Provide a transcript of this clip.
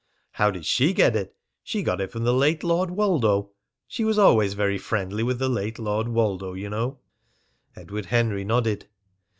"How did she get it? She got it from the late Lord Woldo. She was always very friendly with the late Lord Woldo, you know." Edward Henry nodded.